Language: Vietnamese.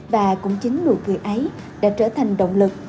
và cũng chính nụ cười ấy đã trở thành động lực